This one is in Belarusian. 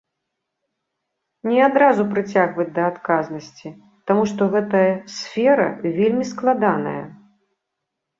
Не адразу прыцягваць да адказнасці, таму што гэта сфера вельмі складаная.